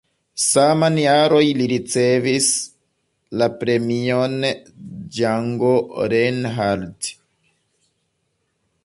Saman jaroj li ricevis la Premion Django Reinhardt.